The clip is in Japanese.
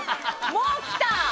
もう来た。